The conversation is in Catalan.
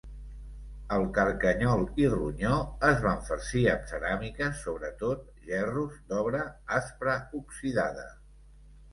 El carcanyol i ronyó es van farcir amb ceràmiques, sobretot, gerros d'obra aspra oxidada.